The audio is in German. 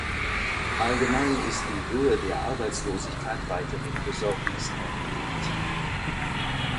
Allgemein ist die Höhe der Arbeitslosigkeit weiterhin besorgniserregend.